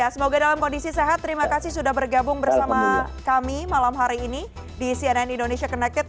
semoga dalam kondisi sehat terima kasih sudah bergabung bersama kami malam hari ini di cnn indonesia connected